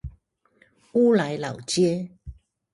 烏來老街